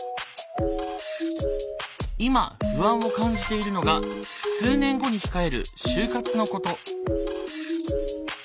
今不安を感じているのが数年後に控える就活のこと。